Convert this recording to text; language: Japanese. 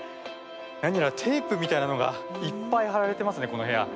何やらテープみたいなのがいっぱい貼られてますね